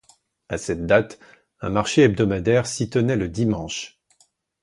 À cette date, un marché hebdomadaire s'y tenait le dimanche.